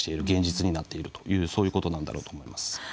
現実になっているということなんだろうと思います。